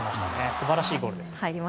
素晴らしいゴールです。